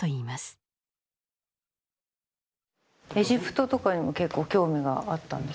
エジプトとかにも結構興味があったんですか？